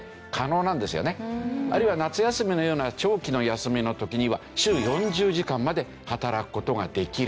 あるいは夏休みのような長期の休みの時には週４０時間まで働く事ができる。